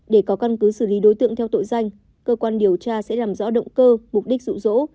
để có căn cứ xử lý đối tượng theo tội danh cơ quan điều tra sẽ làm rõ động cơ mục đích dụ dỗ